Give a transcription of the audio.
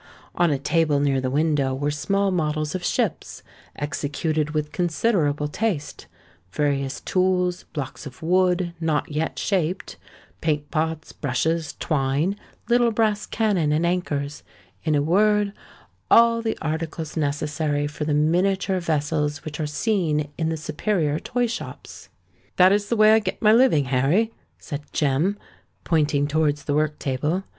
On a table near the window, were small models of ships, executed with considerable taste; various tools; blocks of wood, not yet shaped; paint pots, brushes, twine, little brass cannon and anchors,—in a word, all the articles necessary for the miniature vessels which are seen in the superior toy shops. "That is the way I get my living, Harry," said Jem, pointing towards the work table.